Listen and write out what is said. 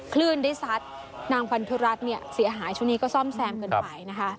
คลื่นได้ซัดนางพันธุรัฐเนี่ยเสียหายช่วงนี้ก็ซ่อมแซมกันไปนะคะ